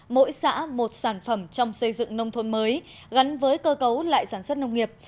mỗi xã một sản phẩm trong xây dựng nông thôn mới gắn với cơ cấu lại sản xuất nông nghiệp